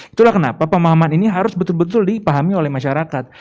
itulah kenapa pemahaman ini harus betul betul dipahami oleh masyarakat